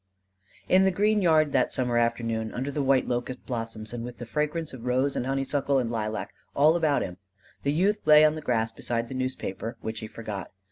In the green yard that summer afternoon, under the white locust blossoms and with the fragrance of rose and honeysuckle and lilac all about him, the youth lay on the grass beside the newspaper which he forgot.